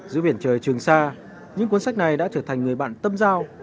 giữa biển trời trường xa những cuốn sách này đã trở thành người bạn tâm giao